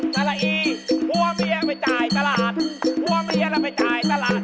สลากีคุณพ่อเมียไม่จ่ายตลาด